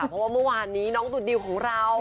เพราะว่าเมื่อวานนี้น้องดุดดิวของเรา